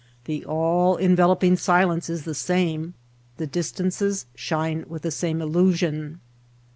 The all enveloping silence is the same. The distances shine with the same illusion.